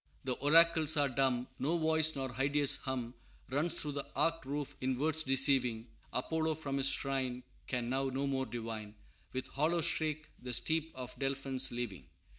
"The oracles are dumb; No voice nor hideous hum Runs through the arched roof in words deceiving; Apollo from his shrine Can now no more divine, With hollow shriek the steep of Delphns leaving."